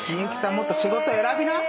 もっと仕事選びな。